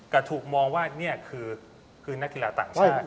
แต่ถูกมองว่านี่คือนักกีฬาต่างชาติ